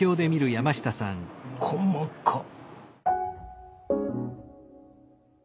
細かっ！